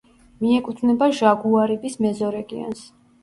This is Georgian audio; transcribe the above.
მიეკუთვნება ჟაგუარიბის მეზორეგიონს.